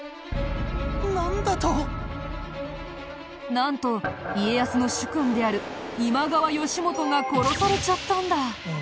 なんと家康の主君である今川義元が殺されちゃったんだ。